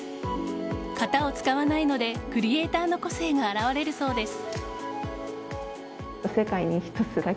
型を使わないのでクリエイターの個性が表れるそうです。